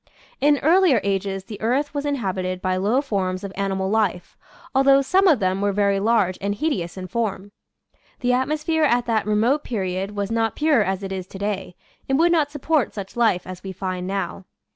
In earlier ages the earth was inhabited by low forms of animal life, although some of them were very large and hideous in form. The atmosphere at that remote period was not pure as it is to day, and would not support such life as we find now.